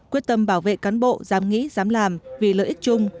quyết tâm bảo vệ cán bộ dám nghĩ dám làm vì lợi ích chung